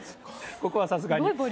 ここはさすがに。